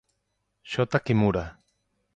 Shota Kimura